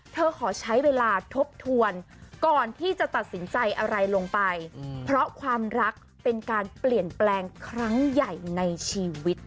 ขอใช้เวลาทบทวนก่อนที่จะตัดสินใจอะไรลงไปเพราะความรักเป็นการเปลี่ยนแปลงครั้งใหญ่ในชีวิต